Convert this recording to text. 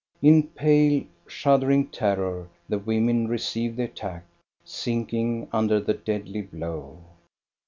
In pale, shuddering terror the women receive the attack, sinking under the deadly blow.